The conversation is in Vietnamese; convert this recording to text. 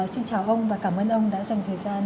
xin chào ông và cảm ơn ông đã dành thời gian